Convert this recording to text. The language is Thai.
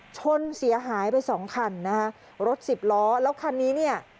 ชนเสียหายไปสองคันนะคะรถสิบล้อแล้วคันนี้เนี่ย